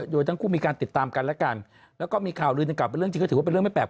โดยทั้งคู่มีการติดตามกันและกันแล้วก็มีข่าวลืนดังกลับเป็นเรื่องจริงก็ถือว่าเป็นเรื่องไม่แปลก